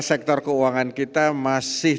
sektor keuangan kita masih